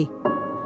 có những thời điểm